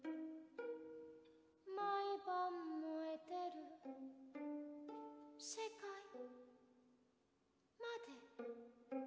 「毎晩燃えている世界まで」